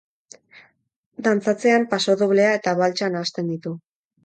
Dantzatzean pasodoblea eta baltsa nahasten ditu.